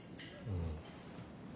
うん。